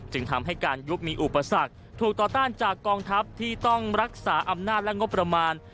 จึงทำให้การยุบมีอุปสรรคถูกต่อต้านจากกองทัพที่ต้องรักษาอำนาจและงบประมาณ